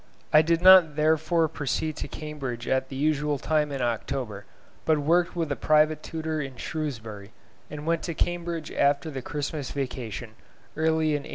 I did not therefore proceed to Cambridge at the usual time in October, but worked with a private tutor in Shrewsbury, and went to Cambridge after the Christmas vacation, early in 1828.